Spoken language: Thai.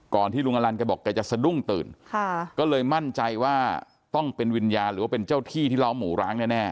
ที่ลุงอลันแกบอกแกจะสะดุ้งตื่นค่ะก็เลยมั่นใจว่าต้องเป็นวิญญาณหรือว่าเป็นเจ้าที่ที่เล้าหมูร้างแน่